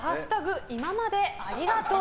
今までありがとう」。